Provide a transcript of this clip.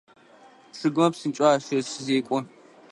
Чъыгмэ псынкӏэу ащэзекӏо.